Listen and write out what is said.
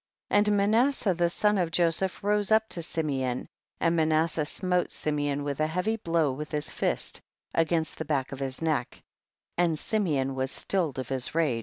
42. And Manasseh the son of Joseph rose up to Simeon, and Manas seh smote Simeon a heavy blow with his fist against the back of his neck, and Simeon was stilled of his rage.